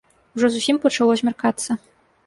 Ужо зусім пачало змяркацца.